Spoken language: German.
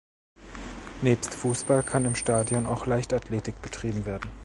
Nebst Fussball kann im Stadion auch Leichtathletik betrieben werden.